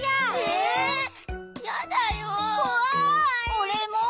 おれも！